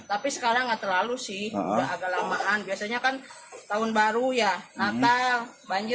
tapi sekarang nggak terlalu sih udah agak lamaan biasanya kan tahun baru ya natal banjir